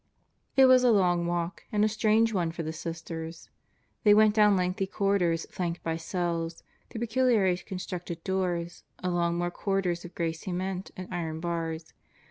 It was a long walk and a strange one for the Sisters. They went down lengthy corridors flanked by cells; through peculiarly constructed doors; along more corridors of gray cement and iron bars.